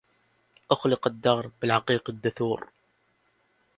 أخلق الدار بالعقيق الدثور